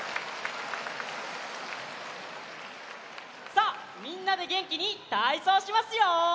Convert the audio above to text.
さあみんなでげんきにたいそうしますよ！